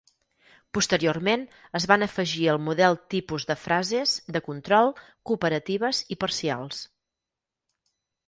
Posteriorment es van afegir al model tipus de frases de control, cooperatives i parcials.